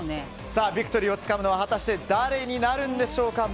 ビクトリーをつかむのは果たして誰になるんでしょうか。